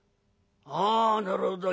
「ああなるほど。